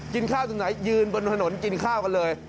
กินข้าวตรงไหนยืนบนถนนกินข้าวกันเลย